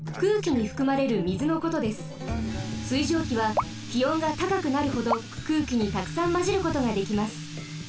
水蒸気はきおんがたかくなるほどくうきにたくさんまじることができます。